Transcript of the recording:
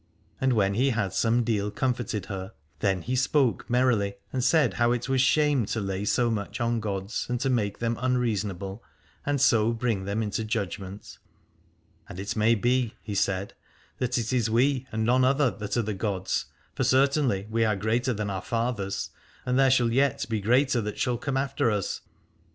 And when he had some deal comforted her, then he spoke merrily and said how it was shame to lay so much on gods and to make them unreasonable and so bring them into judgment. And it may be, he said, that it is we, and none other, that are the gods, for certainly we are greater than our fathers, and there shall yet be greater that shall come after us.